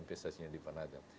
investasinya di penajam